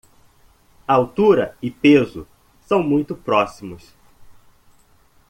Altura e peso são muito próximos